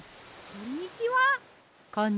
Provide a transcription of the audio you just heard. こんにちは。